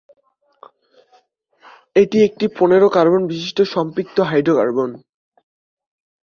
এটি একটি পনেরো কার্বন বিশিষ্ট সম্পৃক্ত হাইড্রোকার্বন।